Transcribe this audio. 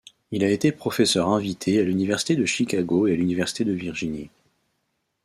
Il a été professeur invité à l'Université de Chicago et à l'Université de Virginie.